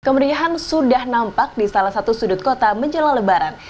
kemeriahan sudah nampak di salah satu sudut kota menjelang lebaran